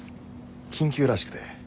緊急らしくて。